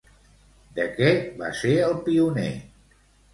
De què va ser el pioner?